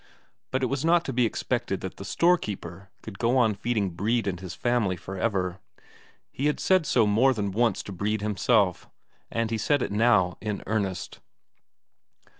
But it was not to be expected that the storekeeper could go on feeding Brede and his family for ever; he had said so more than once to Brede himself, and he said it now in earnest.